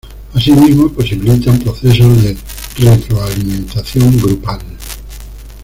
Asimismo, posibilitan procesos de retroalimentación grupal.